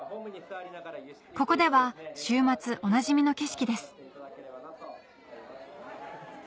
ここでは週末おなじみの景色です